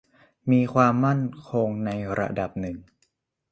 มีความมั่นคงในระดับหนึ่ง